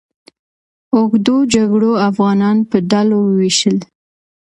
اوږدو جګړو افغانان په ډلو وویشل.